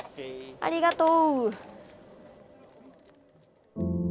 ありがとう。